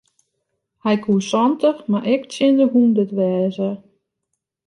Hy koe santich mar ek tsjin de hûndert wêze.